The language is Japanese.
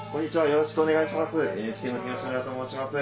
よろしくお願いします。